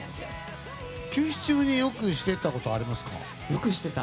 休止中によくしていたことありますか？